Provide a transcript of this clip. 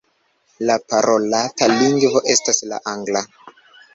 La parolata lingvo estas la angla.